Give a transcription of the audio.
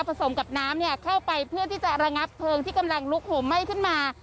สมกับน้ำเนี่ยเข้าไปเพื่อที่จะระงับเพลิงที่กำลังลุกห่มไหม้ขึ้นมา